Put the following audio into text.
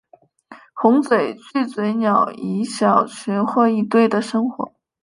红嘴巨嘴鸟以小群或一对的生活。